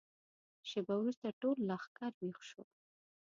شېبه وروسته ټول لښکر ويښ شو.